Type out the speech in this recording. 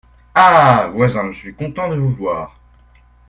Ah ! voisin, je suis content de vous voir !